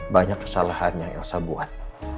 banyak kesalahan yang elsa buat